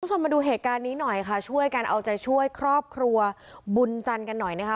คุณผู้ชมมาดูเหตุการณ์นี้หน่อยค่ะช่วยกันเอาใจช่วยครอบครัวบุญจันทร์กันหน่อยนะคะ